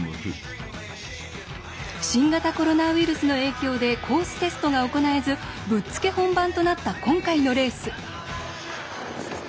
新型コロナウイルスの影響でコーステストが行えずぶっつけ本番となった今回のレース。